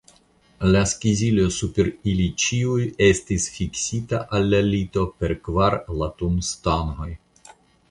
La skizilo super ili ĉiuj estis fiksita al la lito per kvar latunstangoj.